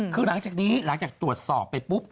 คือหลังจากนี้หลังจากตรวจสอบไปปุ๊บ